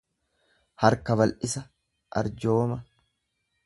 harka bal'isa, arjooma.